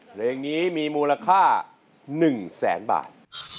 เพลงนี้มีมูลค่า๑แสนบาท